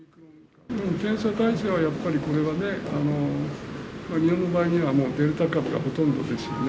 検査態勢は、やっぱりこれはね、日本の場合にはデルタ株がほとんどですよね。